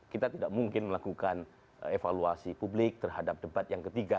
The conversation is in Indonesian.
kita tidak mungkin melakukan evaluasi publik terhadap debat yang ketiga